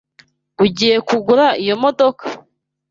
Ugiye kugura iyo modoka?